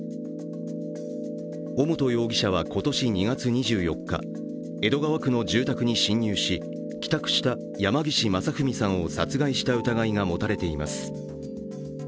尾本容疑者は今年２月２４日、江戸川区の住宅に侵入し、帰宅した山岸正文さんを殺害した疑いが持たれています。